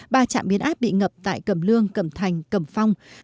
ba trạm biến áp bị ngập tại cầm lương cầm thành cầm phong